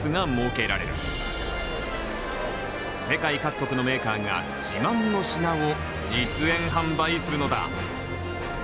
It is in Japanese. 世界各国のメーカーが自慢の品を実演販売するのだ。